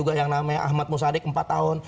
ahmad musadik empat tahun